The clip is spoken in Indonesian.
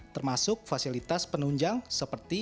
termasuk fasilitas penunjang seperti